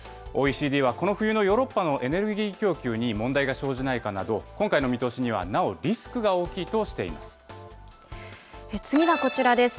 ＯＥＣＤはこの冬のヨーロッパのエネルギー供給に問題が生じないかなど、今回の見通しにはなおリ次はこちらです。